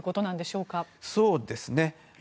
そうですね。